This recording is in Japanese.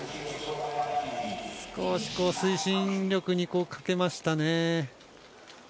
少し推進力に欠けましたね。